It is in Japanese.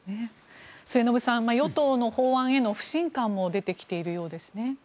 末延さん与党の法案への不信感も出てきているようですね。